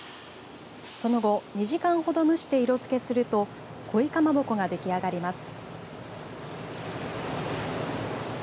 その後、２時間ほど蒸して色づけすると鯉かまぼこができ上がります。